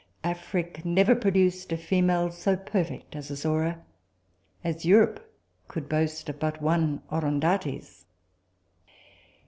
Afric never produced a female so perfect as Azora; as Europe could boast but of one Orondates.